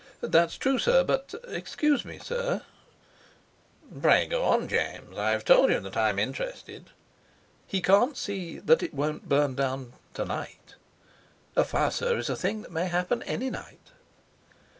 "That's true; but, excuse me, sir " "Pray go on, James. I've told you that I'm interested." "He can't see that it won't be burnt down to night. A fire, sir, is a thing that may happen any night."